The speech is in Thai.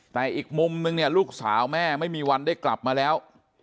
แต่อีกมุมนึงเนี่ยลูกสาวแม่ไม่มีวันได้กลับมาแล้ว